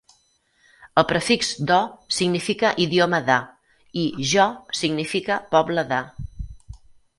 El prefix "dho" significa "idioma de" i "jo" significa "poble de".